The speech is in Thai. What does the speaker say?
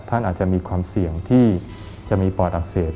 ท่านอาจจะมีความเสี่ยงที่จะมีปอดอักเสบ